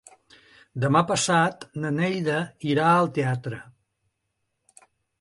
Demà passat na Neida irà al teatre.